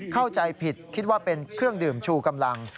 เข้าใจผิดคิดว่าเป็นเครื่องดื่มชูกำลัง